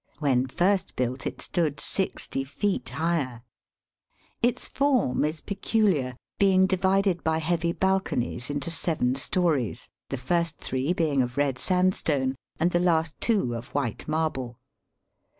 When first built it stood sixty feet higher. Its form is pecuKar being divided by heavy balconies into seven stories, the first three being of red sandstone and the last two of white marble.